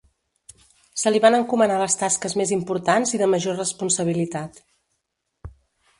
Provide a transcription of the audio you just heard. Se li van encomanar les tasques més importants i de major responsabilitat.